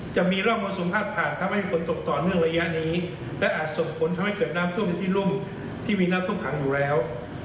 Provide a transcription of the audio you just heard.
จะมีร่องมรสุมพาดผ่านทำให้ฝนตกต่อเนื่องระยะนี้และอาจส่งผลทำให้เกิดน้ำท่วมในที่รุ่มที่มีน้ำท่วมขังอยู่แล้ว